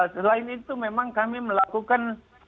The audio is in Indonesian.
selain itu memang kami melakukan